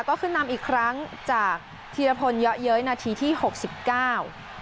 ก็ขึ้นนำอีกครั้งจากธีรพลเยอะเย้ยนาทีที่หกสิบเก้า